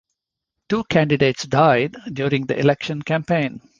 Two candidates died during the election campaign.